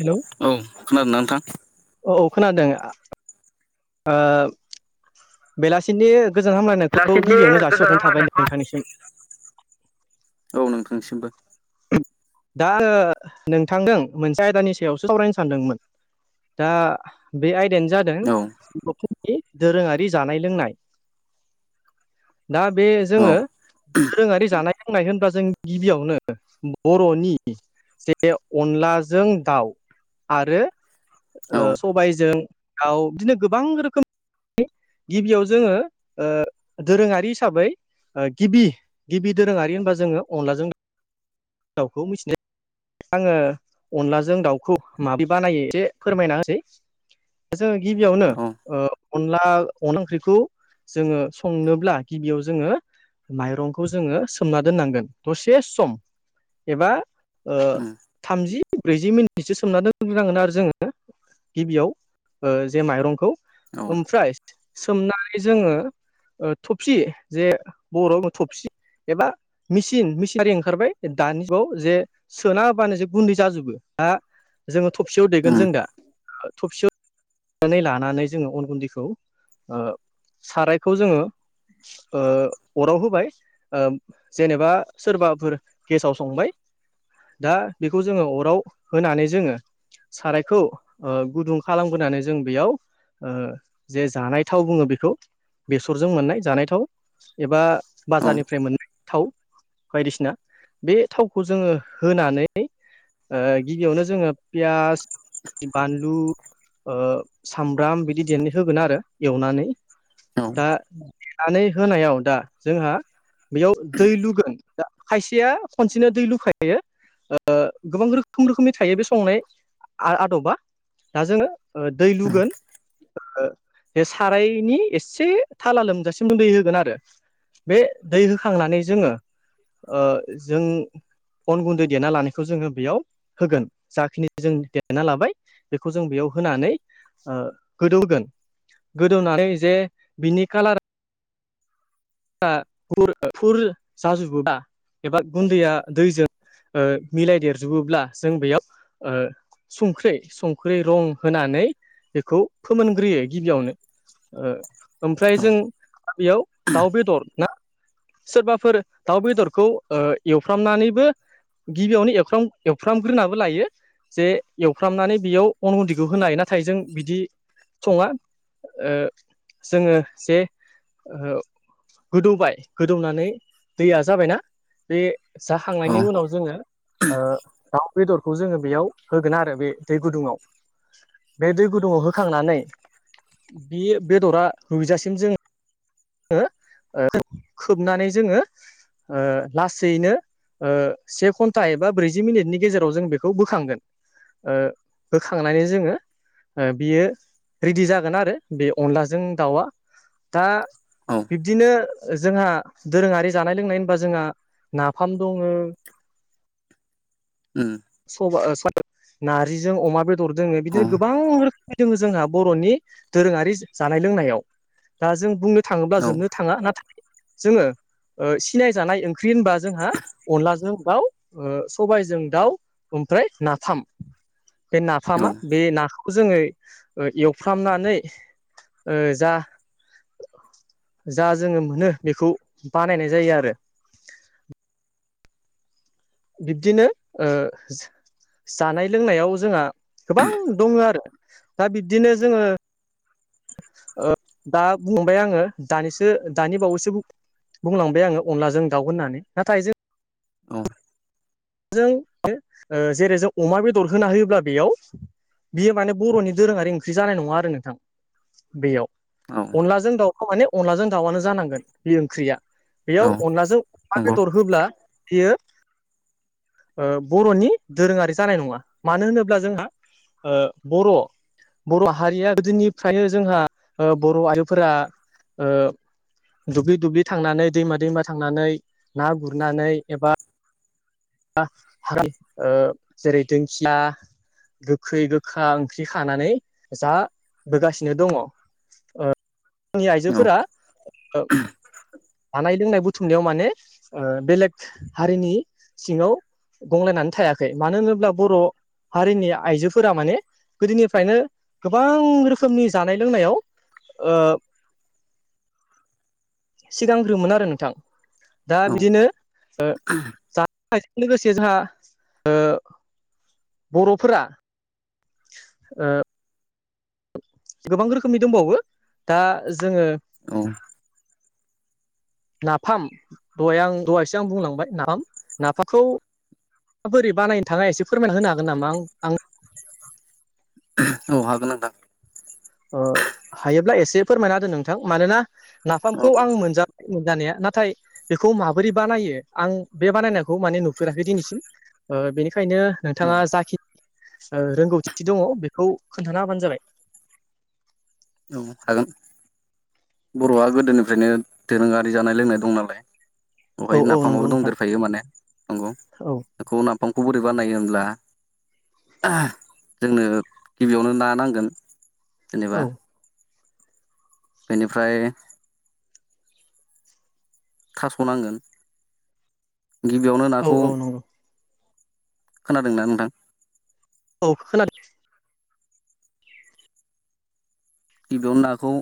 Hello औ खोनादोंना नोंथां औ खोनादों आ बेलासिनि गोजोन हामलायनाय लासिनि गोजान हामनायखौ औ नोंथांसिमबो दा आङो नोंथांदों मोनसे आयदानि सायावसो सावरायनो सानदोंमोन दा बे आयदायानो जादों औ [unintelligible] बर'नि दोरोङारि जानाय लोंनाय दा बे औ जोङो दोरोङारि जानाय लोंनाय होनबा जों गिबियावनो बर'नि जे अनलाजों दाउ आरो औ ओ सबायजों दउ बिदिनो गोबां रोखोमनि गिबियाव जोङो ओ दोरोङारि हिसाबै ओ गिबि गिबि दोरोङारि होनबा जोङो अनलाजों दाउखौ मिथिनाय आङो अनलाजों दाउखौ मादि बानायो एसे फोरमायना होसै जोङो गिबियावनो औ अनला अनला ओंख्रिखौ जोङो संनोब्ला गिबियाव जोङो माइरंखौ जोङो सोमना दोननांगोन दसे सम एबा ओ उम थामजि ब्रैजि मिनिटसो सोमनानै दग्रोनांगोन आरो जोङो गिबियाव ओ जे माइरंखौ औ ओमफ्राय सोमनानै जोङो ओ थबसि जे बर' थबसि एबा मिचिन मिचिनारि ओंखारबाय दानिखौ जे सोना होबानोसो गुन्दै जाजोबो हा जोङो थबसेयाव देगोन उम जों दा थबसेयाव नानै लानानै जोङो अन गुन्दैखौ सारायखौ जोङो ओ अराव होबाय जेनेबा ओ सोरबाफोर गेसाव संबाय दा बेखौ जोङो अराव होनानै जोङो सारायखौ ओ गुदुं खालामगोरनानै जों बेयाव ओ जे जानाय थाव बुङो बेखौ बेसरजों मोननाय जानाय थाव एबा औ बाजारनिफ्राय मोननाय थाव बायदिसिना बे थावखौ जोङो होनानै ओ गिबियावनो जोङो पियास बानलु ओ सामब्राम बिदि देनानै होगोन आरो एवनानै औ दा देनानै होनायाव दा जोंहा बेयाव दै लुगोन दा खायसेया खनसेनो दै लुखाय [unintelligible] ओ गोबां रोखोम- रोखोमनि थायो बे संनाय आ आदबा दा जोङो ओ दै लुगोन ओ बे सारायनि एसे थाला लोमजासिम दै होगोन आरो बे दै होखांनानै जोङो ओ जों अन गुन्दै देना लानायखौ जोङो बेयाव होगोन जाखिनि जों देना लाबाय बेखौ जों बेयाव होनानै ओ गोदौ होगोन गोदौनानै जे बिनि कालार [unintelligible] फुर-फुर जाजोबोबा एबा गुन्दैया दैजों ओ मिलाय देरजोबोब्ला जों बेयाव ओ सुंख्रै संख्रै रं होनानै बेखौ फोमोनग्रोयो गिबियावनो ओ ओमफ्राय औ जों बेयाव दाउ बेदर ना सोरबाफोर दाउ बेदरखौ ओ एवफ्रामनानैबो गिबियावनो एवफ्राम-एवफ्रामग्रोनाबो लायो जे एवफ्रामनानै बेयाव अन गुन्दैखौ होनो हायो नाथाय जों बिदि सङा ओ जोङो जे ओ गोदौबाय गोदौनानै दैया जाबायना बे औ जाखांनायनि उनाव जोङो ओ दाउ बेदरखौ जोङो बेयाव होगोन आरो बे दै गुदुङाव बे दै गुदुङाव होखांनानै बि बेदरा रुइजासिम जों [unintelligible] ओ [unintelligible] खोबनानै जोङो लासैनो ओ से घन्टा एबा ब्रैजि मिनिटनि गेजेराव जों बेखौ बोखांगोन ओ होखांनानै जोङो ओ बियो रेडि जागोन आरो बे अनलाजों दाउआ दा बिब्दिनो जोंहा दोरोङारि जानाय लोंनाय होनबा जोंहा नाफाम दङो उम सबा ओ [unintelligible] नारजिजों अमा बेदर दोङो औ बिदिनो औ गोबां रोख दोङो जोंहा बर'नि दोरोङारि जानाय लोंनायाव दा जों बुंनो थाङोब्ला जोबनो थाङा नाथाय जोङो ओ सिनायजानाय ओंख्रि होनबा जोंहा अनलाजों दाउ ओ सबायजों दाउ ओमफ्राय नाफाम बे नाफामा बे नाखौ जोङो ओ एवफ्रामनानै ओ जा जा जोङो मोनो बेखौ बानायनाय जायो आरो बिब्दिनो ओ जानाय लोंनायाव जोंहा गोबां दङो आरो दा बिब्दिनो जोङो ओ दा बुंबाय आङो दानिसो दानि बावैसो बु बुंलांबाय आङो अनलाजों दाउ होननानै नाथाय जों अ जों [unintelligible] जेरै जों अमा बेदर होना होयोब्ला बेयाव बियो माने बर'नि दोरोङारि ओंख्रि जानाय नङा आरो नोंथां बेयाव औ अनलाजों दाउखौ माने अनलाजों दाउआनो जानांगोन बे ओंख्रिया औ बेयाव अनलाजों अमा नंगौ औ बेदर होब्ला बियो ओ बर'नि दोरोङारि जानाय नङा मानो होनोब्ला जोंहा ओ बर' बर' हारिया गोदोनिफ्रायनो जोंहा ओ बर' आयफोरा ओ दुब्लि दुब्लि थांनानै दैमा दैमा थांनानै ना गुरनानै एबा। ओ जेरै दोंखिया गोखै गोखा ओंख्रि खानानै जाबोगासिनो दङ। जोंनि आइजोफोरा। हानाय लोंनाय बुथुमनायाव माने बेलेग हारिनि सिङाव गंलायनानै थायाखै मानो होनोब्ला बर' हारिनि आइजोफोरा माने गोदोनिफ्रायनो गोबां रोखोमनि जानाय लोंनायाव ओ सिगांग्रोमोन आरो नोंथां दा औ बिदिनो ओ [unintelligible] लोगोसे जोंहा ओ बर'फोरा ओ [unintelligible] गोबां रोखोमनि दंबावो दा जोङो औ। नाफाम दहाय आं दहायसो आं बुंलांबाय नाफाम नाफामखौ। बोरै बानायनो थाङा एसे फोरमायना होनो हागोन नामा आं आं‌ औ हागोन नोंथां। ओ हायोब्ला एसे फोरमायना द नोंथां मानोना औ नाफामखौ आं मोनजाबाय मोनजानाया नाथाय बेखौ माबोरै बानायो आं बे बानायनायखौ माने नुफेराखै दिनैसिम बेनिखायनो औ नोंथाङा जाखि रोंगौथि दङ बेखौ खोन्थाना हाबानो जाबाय औ होगोन बर'आ गोदोनिफ्रायनो दोरोङारि जानाय लोंनाय दं नालाय औ बेवहाय औ नंगौ नाफामाबो नोंथां दंदेरखायो माने न नंगौ औ बेखौ नाफामखौ बोरै बानायो होनोमब्ला जोंनो गिबियावनो ना नांगोन जेनेबा औ बेनिफ्राय। थास'नांगोन गिबियावनो औ नाखौ औ नंगौ खोनादों न नोंथां। औ खोनादों। गिबियावनो नाखौ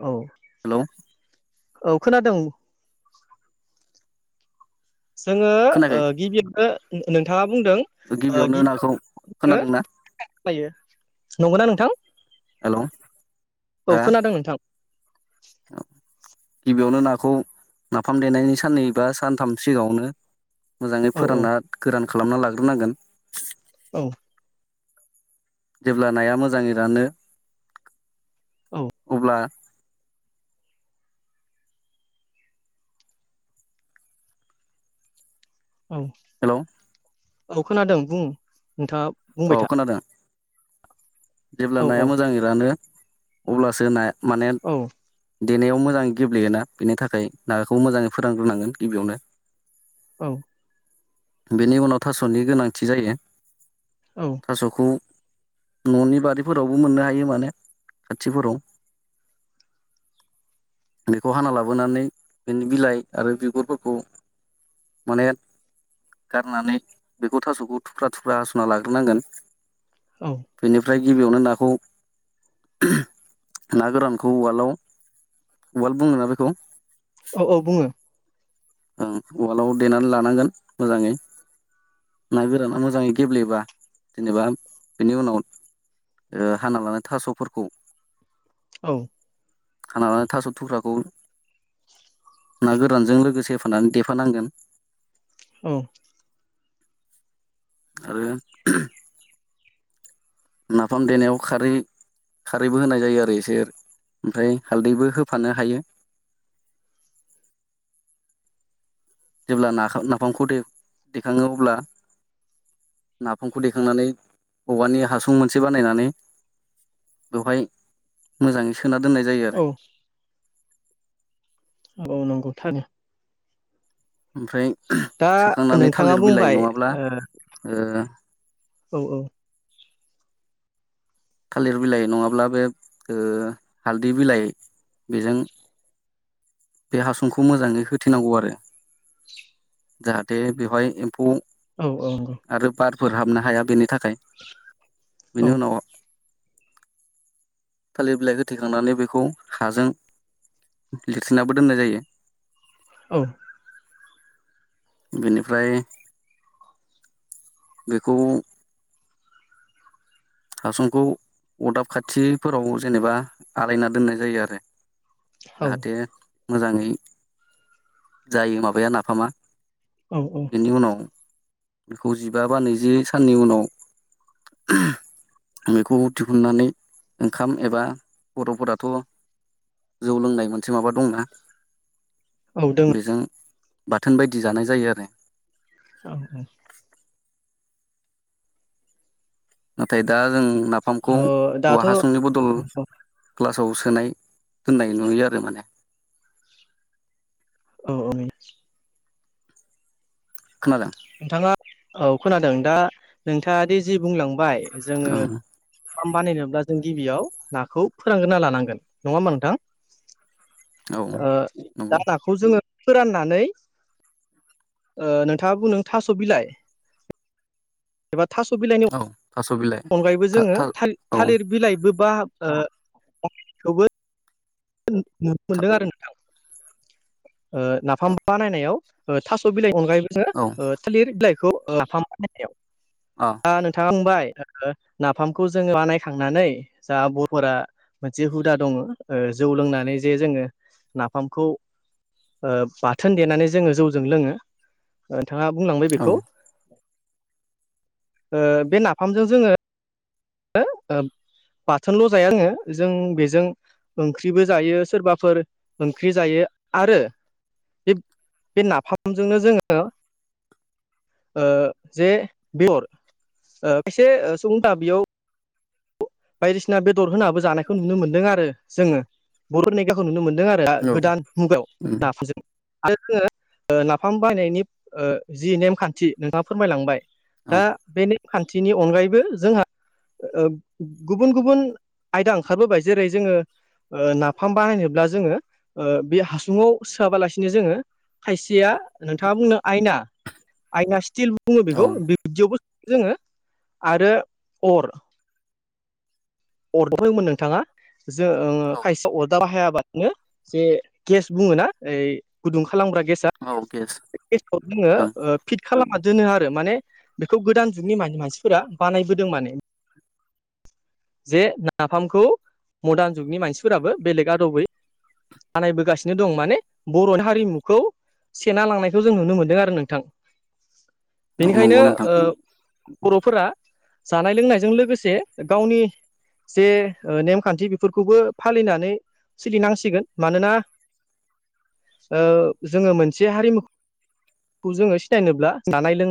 औ। हेल'। औ खोनादों। जोङो खोनायाखै गिबियावनो नोंथाङा बुंदों गिबियावनो नाखौ गिबियावनो खोनादोंना खायो नंगौना नोंथां। हेल' औ खोनादों नोंथां औ गिबियावनो नाखौ नाफाम देनायनि साननै बा सानथाम सिगाङावनो मोजाङै औ औ फोरानना गोरान खालामना लाग्रोनांगोन औ जेब्ला नाया मोजाङै रानो औ अब्ला औ हेल' औ खोनादों बुं नोंथाङा बुंबाय औ था खोनादों जेब्ला औ नाया मोजाङै रानो अब्लासो नाया माने औ देनायाव मोजां गेब्लेयोना बेनि थाखाय नागाखौ मोजाङै फोरोंग्रोनांगोन गिबियावनो औ बेनि उनाव थास'नि गोनांथि जायो औ थास'खौ न'नि बारिफोरावबो मोननो हायो माने खाथिफोराव बेखौ हाना लाबोनानै बिनि बिलाइ आरो बिगुरफोरखौ माने गारनानै बेखौ थास'खौ थुख्रा थुख्रा हासुना लाग्रोनांगोन औ बेनिफ्राय गिबियावनो नाखौ ना गोरानखौ उवालाव उवाल बुङोना बेखौ औ औ बुङो ओं ववालाव देनानै लानांगोन मोजाङै ना गोराना मोजाङै गेब्लेबा जेनेबा बेनि उनाव हाना लानाय थास'फोरखौ औ खाना लानानै थास' थुख्राखौ ना गोरानजों लोगोसे होफानानै देफानांगोन। औ आरो नाफाम देनायाव खारै खारैबो होनाय जायो आरो एसे ओमफ्राय हालदैबो होफानो हायो। जेब्ला ना-नाफामखौ देखाङो अब्ला नाफामखौ दैेखांनानै औवानि हासुं मोनसे बानायनानै बेवहाय मोजाङै सोना दोननाय जायो आरो। औ औ नंगौ थारैनो ओमफ्राय दा सोखांनानै नोंथाङा थालिर बिलाइ बुंबाय नङाब्ला ओ औ औ थालिर बिलाइ नङाब्ला बे ओ हालदै बिलाइ बेजों बे हासुंखौ मोजाङै होथेनांगौ आरो जाहाथे बेवहाय एम्फौ औ औ नंगौ आरो बारफोर हाबनो हाया बेनि थाखाय औ बेनि उनाव थालिर बिलाइ होथेखांनानै बेखौ हाजों लिरथेनाबो दोननाय जायो। औ बेनिफ्राय बेखौ हासुंखौ अरदाब खाथिफोराव जेनेबा आलायना दोननाय जायो आरो। जाहाथे मोजाङै जायो माबाया नाफामा। औ औ बेनि उनाव बेखौ जिबा बा नैजि साननि उनाव बेखौ दिहुननानै ओंखाम एबा बर'फोराथ' जौ लोंनाय मोनसे माबा दंना औ दोङो बेजों बाथोन बायदि जानाय जायो आरो। औ औ नाथाय दा जों नाफामखौ ओ औवा दाथ' हासुंनि बदल ग्लासाव सोनाय दोननाय नुयो आरो माने। औ औनि खोनादों नोंथाङा औ खोनादों दा नोंथाङाद जि बुंलांबाय जोङो ओं नाफाम बानायनोब्ला जों गिबियाव नाखौ फोरानगोरना लानांगोन नङा होमबा नोंथां? औ नंगौ [unintelligible] खौ जोङो फोराननानै ओ नोंथाङा बुंदों थास' बिलाइ एबा थास' बिलाइनि औ थास' बिलाइ अनगायैबो था जोङो था थालिर औ थालिर बिलाइबो बा ओ खौबो नुनो मोनदों आरो नोंथां। ओ नाफाम बानायनायाव ओ थास' बिलाइनि अनगायैबो जोङो औ ओ थालिर बिलाइखौ नाफाम बानायनायाव अ। दा नोंथाङा बुंबाय ओ नाफामखौ जोङो बानायखांनानै जा बर'फोरा मोनसे हुदा दङ जौ लोंनानै जे जोङो नाफामखौ ओ बाथोन देनानै जोङो जौजों लोङो नोंथाङा बुंलांबाय औ बेखौ ओ बे नाफामजों जोङो। ओ बाथोनल' जाया जोङो जों बेजों ओंख्रिबो जायो सोरबाफोर ओंख्रि जायो आरो बे बे नाफामजोंनो जोङो ओ जे [unintelligible] खायसे [unintelligible] बेयाव बायदिसिना बेदर होनाबो जानायखौ नुनो मोन्दों आरो जोङो । बर' नेेगाखौ नुनो मोनदों आरो गोदान मुगायाव नाफोरजों आरो जोङो नाफाम बाहानायनि ओ जि नेमखान्थि नोंथाङा फोरमायलांबाय । औ दा बे नेमखान्थिनि अनगायैबो जोंहा ओ गुबुन गुबुन आयदा ओंखारबोबाय जेरै जोङो नाफाम बाहनोब्ला जोङो बे हासुङाव सोआबालासिनो जोङो । खायसेया नोंथाङा बुंनो आयना आयना स्टिल बुङो औ बेखौ बिब्दियावबो जोङो आरो अर [unintelligible] नोंथाङा जों खायसे अरदाब बाहायाबा जे गेस बुङो ना ओइ गुदुं खालामग्रा गेस औ गेस [unintelligible] जोङो ओं ओ फिट खालामना दोनो आरो माने बेखौ गोदान जुगनि माने मानसिफोरा बानायबोदों माने । जे नाफामखौ मडार्न जुगनि मानसिफोराबो बेलेगा आदबै बानायबोगासिनो दं माने बर'नि हारिमुखौ सेना लांनायखौ जों नुनो मोनदों आरो नोंथां । औ नंगौ बेनिखायनोओ नोंथां बर'फोरा जानाय लोंनायजों लोगोसे गावनि जे नेमखान्थि बेफोरखौबो फालिनानै सोलिनांसिगोन मानोना जोङो मोनसे हारिमुखौ जोङो सिनायनोब्ला जानाय लोंनाय